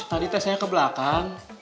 tadi teh saya kebelakang